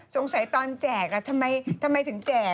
สงสัยตอนแจกทำไมถึงแจก